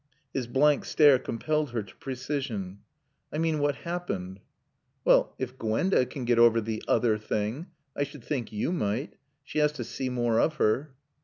His blank stare compelled her to precision. "I mean what happened." "Well if Gwenda can get over 'the other thing', I should think you might. She has to see more of her."